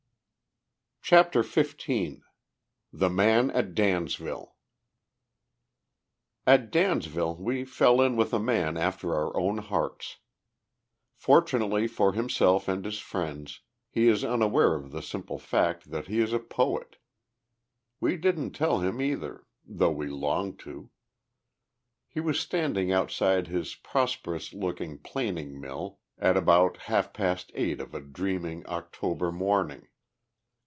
CHAPTER XV THE MAN AT DANSVILLE At Dansville we fell in with a man after our own hearts. Fortunately for himself and his friends, he is unaware of the simple fact that he is a poet. We didn't tell him, either though we longed to. He was standing outside his prosperous looking planing mill, at about half past eight of a dreaming October morning.